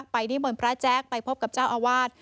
นิมนต์พระแจ๊คไปพบกับเจ้าอาวาส